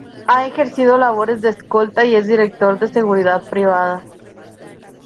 Ha ejercido labores de Escolta y es Director de Seguridad Privada.